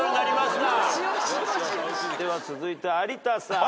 では続いて有田さん。